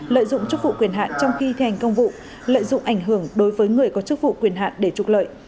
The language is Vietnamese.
lợi dụng chức vụ quyền hạn trong khi thi hành công vụ lợi dụng ảnh hưởng đối với người có chức vụ quyền hạn để trục lợi